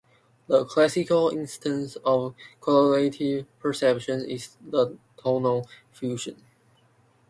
The classical instance of the qualitative perception is the tonal fusion.